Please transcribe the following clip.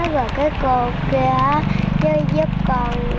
rồi cô kia giúp con